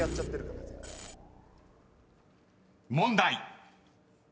［問題］